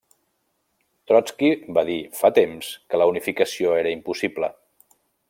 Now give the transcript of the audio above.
Trotski va dir fa temps que la unificació era impossible.